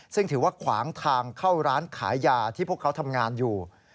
ซึ่งถือว่าขวางทางเข้าร้านขายยาที่พวกเขาทำงานอยู่